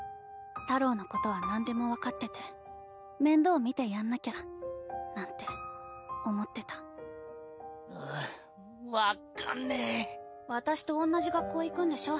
太朗のことはなんでも分かってて面倒見てやんなきゃううっ分かんねぇ私とおんなじ学校行くんでしょ。